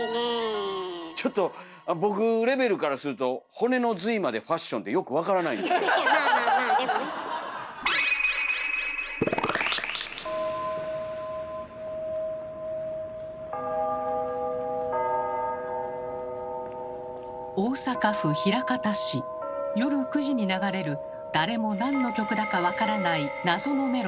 ちょっと僕レベルからすると「骨の髄までファッション」って大阪府枚方市夜９時に流れる誰も何の曲だかわからない謎のメロディー。